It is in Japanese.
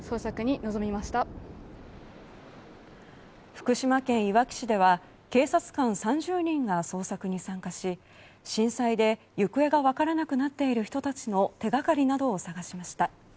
福島県いわき市では警察官３０人が捜索に参加し震災で行方が分からなくなっている人たちの手がかりなどを探しました。